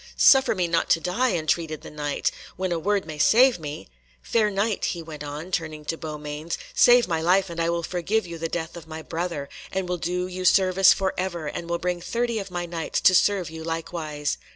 "Suffer me not to die," entreated the Knight, "when a word may save me! Fair Knight," he went on, turning to Beaumains, "save my life, and I will forgive you the death of my brother, and will do you service for ever, and will bring thirty of my Knights to serve you likewise."